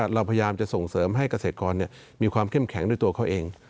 เราพยายามจะส่งเสริมให้เกษตรกรมีความเข้มแข็งด้วยตัวเขาเอง